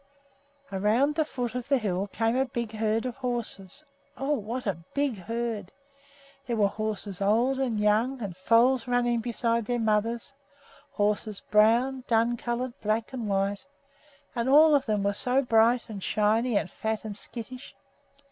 Around the foot of the hill came a big herd of horses oh, what a big herd! There were horses old and young, and foals running beside their mothers; horses brown, dun colored, black, and white; and all of them were so bright and shiny and fat and skittish!